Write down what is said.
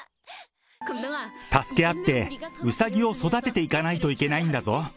助け合って、うさぎを育てていかないといけないんだぞ。